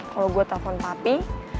kalo gua telepon papi